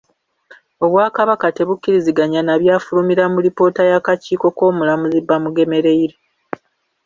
Obwakabaka tebukkiriziganya na byafulumira mu lipoota y’akakiiko k’omulamuzi Bamugemereire.